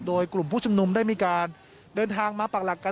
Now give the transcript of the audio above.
โดยกลุ่มผู้ชุมนุมได้มีการเดินทางมาปักหลักกัน